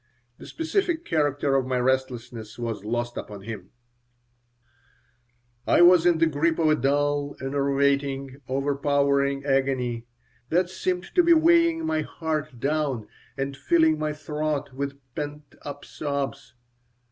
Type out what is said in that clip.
The specific character of my restlessness was lost upon him I was in the grip of a dull, enervating, overpowering agony that seemed to be weighing my heart down and filling my throat with pent up sobs.